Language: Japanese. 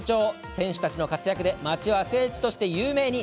選手たちの活躍で町は聖地として有名に。